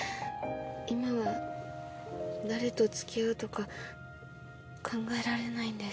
今は誰とつきあうとか考えられないんです。